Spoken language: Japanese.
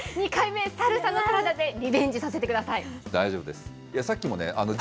２回目、サルサのサラダでリベンジさせてください。